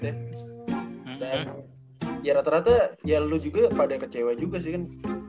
dan ya rata rata ya lu juga pada kecewa juga sih kan